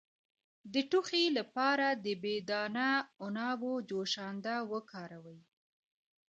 د ټوخي لپاره د بې دانه عنابو جوشانده وکاروئ